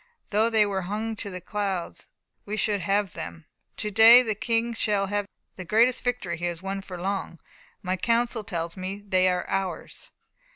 "Though they were hung to the clouds, we should have them. To day the King shall have the greatest victory he has won for long. My counsel tells me they are ours."